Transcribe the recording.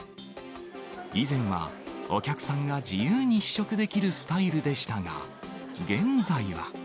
以前はお客さんが自由に試食できるスタイルでしたが、現在は。